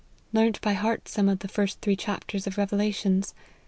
" Learnt by heart some of the first three chapters of Revelations.